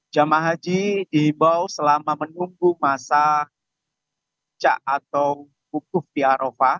jemaah haji dihibau selama menunggu masa cak atau bukuf di arova